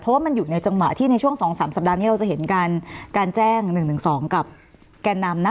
เพราะว่ามันอยู่ในจังหวะที่ในช่วงสองสามสัปดาห์นี้เราจะเห็นการการแจ้งหนึ่งหนึ่งสองกับแกนนำนะ